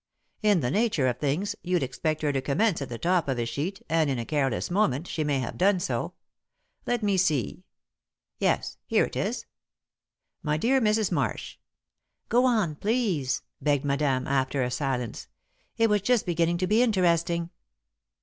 In the nature of things, you'd expect her to commence at the top of a sheet, and, in a careless moment, she may have done so. Let me see yes, here it is: 'My dear Mrs. Marsh.'" "Go on, please," begged Madame, after a silence. "It was just beginning to be interesting."